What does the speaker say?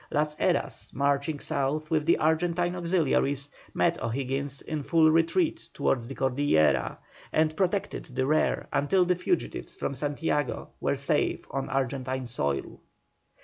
Las Heras, marching south with the Argentine auxiliaries, met O'Higgins in full retreat towards the Cordillera, and protected the rear until the fugitives from Santiago were safe on Argentine soil.